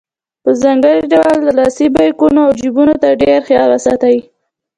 په ځانګړي ډول لاسي بیکونو او جیبونو ته ډېر خیال وساتئ.